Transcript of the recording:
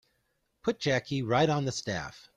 Put Jackie right on the staff.